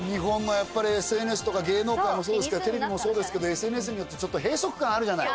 やっぱりＳＮＳとか芸能界もそうですけどテレビもそうですけどＳＮＳによってちょっと閉塞感あるじゃない